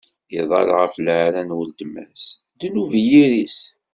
Iḍall ɣef leɛra n weltma-s: ddnub i yiri-s.